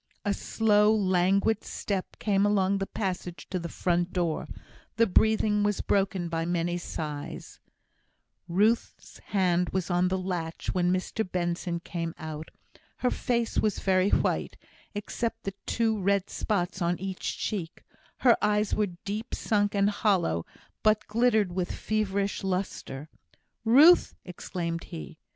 A slow, languid step came along the passage to the front door the breathing was broken by many sighs. Ruth's hand was on the latch when Mr Benson came out. Her face was very white, except two red spots on each cheek her eyes were deep sunk and hollow, but glittered with feverish lustre. "Ruth!" exclaimed he.